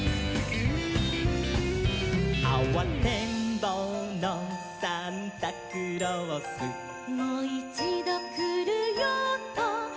「あわてんぼうのサンタクロース」「もいちどくるよとかえってく」